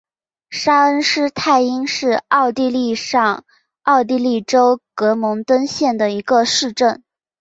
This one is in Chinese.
沙恩施泰因是奥地利上奥地利州格蒙登县的一个市镇。